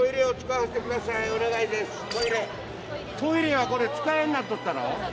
トイレはこれ使えんなっとったろ？